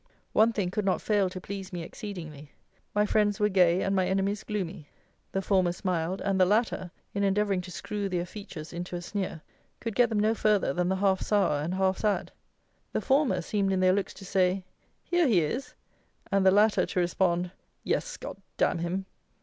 One thing could not fail to please me exceedingly: my friends were gay and my enemies gloomy: the former smiled, and the latter, in endeavouring to screw their features into a sneer, could get them no further than the half sour and half sad: the former seemed in their looks to say, "Here he is," and the latter to respond, "Yes, G d him!"